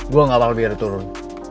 gue gak mau biar turun